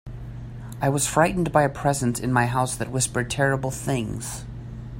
I was frightened by a presence in my house that whispered terrible things.